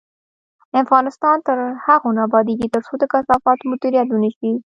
افغانستان تر هغو نه ابادیږي، ترڅو د کثافاتو مدیریت ونشي.